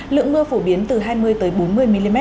lượng mưa phổ biến từ hai mươi bốn mươi mm